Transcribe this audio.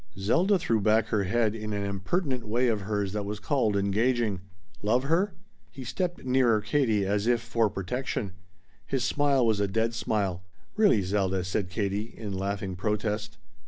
Zelda threw back her head in an impertinent way of hers that was called engaging. "Love her?" He stepped nearer Katie, as if for protection. His smile was a dead smile. "Really, Zelda," said Katie, in laughing protest.